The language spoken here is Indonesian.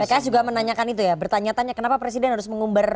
pks juga menanyakan itu ya bertanya tanya kenapa presiden harus mengumbar